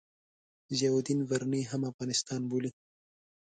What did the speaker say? ضیاألدین برني هم افغانستان بولي.